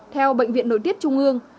theo bệnh viện nội tiết trung ương